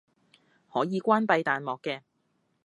可以關閉彈幕嘅